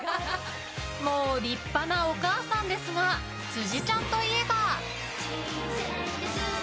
もう立派なお母さんですが辻ちゃんといえば。